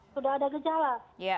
sudah ada gejala